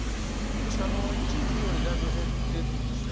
ですから、一時よりもだいぶ減っているんですね。